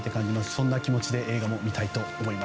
そんな気持ちで映画も見たいと思います。